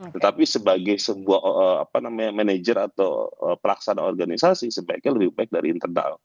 tetapi sebagai sebuah manajer atau pelaksana organisasi sebaiknya lebih baik dari internal